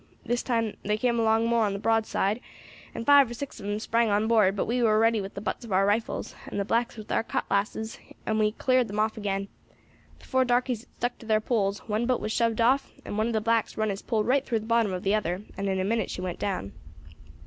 This time they came along more on the broadside, and five or six of 'em sprang on board; but we war ready with the butts of our rifles, and the blacks with thar cutlasses, and we cleared them off again. The four darkies had stuck to thar poles; one boat was shoved off, and one of the blacks run his pole right through the bottom of the other, and in a minute she went down.